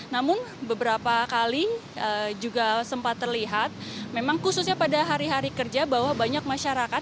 namun beberapa kali juga sempat terlihat memang khususnya pada hari hari kerja bahwa banyak masyarakat